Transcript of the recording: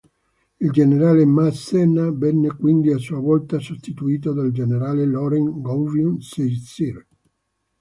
Il generale Masséna venne quindi a sua volta sostituito dal generale Laurent Gouvion-Saint-Cyr.